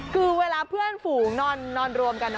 คือเวลาเพื่อนฝูงนอนรวมกัน